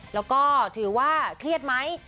แล้วก็ถือว่าเครียดไหม